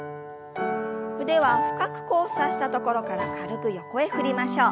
腕は深く交差したところから軽く横へ振りましょう。